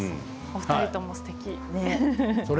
２人ともすてき。